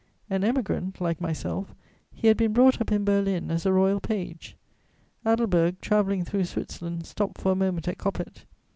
An Emigrant like myself, he had been brought up in Berlin as a royal page. Adelberg, travelling through Switzerland, stopped for a moment at Coppet.